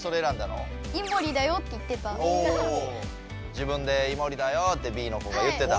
自分でイモリだよってＢの子が言ってた。